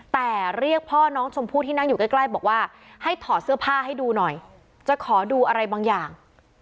แต่เรียกพ่อน้องชมพู่ที่นั่งอยู่ใกล้บอกว่าให้ถอดเสื้อผ้าให้ดูหน่อยจะขอดูอะไรบางอย่าง